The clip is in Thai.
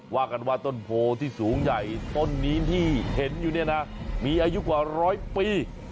ว่ากันว่าต้นโพที่สูงใหญ่ต้นนี้ที่เห็นอยู่เนี่ยนะมีอายุกว่าร้อยปี